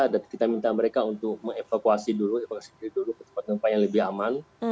dan kita minta mereka untuk menginfekuasi dulu di evakuasi dulu ke tempat tempat yang lebih aman